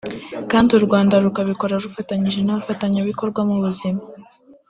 kandi u Rwanda rukabikora rufatanyije n’abafatanyabikorwa mu buzima